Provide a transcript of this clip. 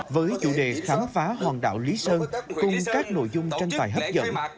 với chủ đề khám phá hòn đảo lý sơn cùng các nội dung tranh tài hấp dẫn